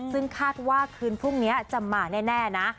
ซึ่งคาดว่าคืนพรุ่งนี้จะมาแน่นะ